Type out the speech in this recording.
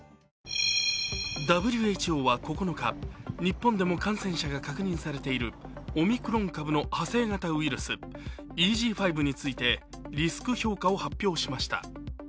ＷＨＯは、９日日本でも感染者が確認されているオミクロン株の派生型ウイルス、ＥＧ５についてリスク評価を発表しました。